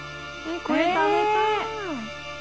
これ食べたい！